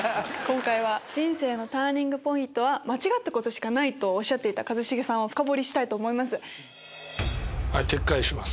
人生のターニングポイントは間違ったことしかないとおっしゃっていた一茂さんを深掘りしたいと思います。